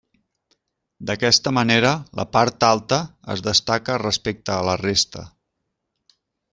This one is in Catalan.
D'aquesta manera la part alta es destaca respecte a la resta.